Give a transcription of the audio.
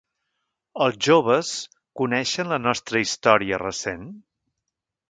Els joves coneixen la nostra història recent?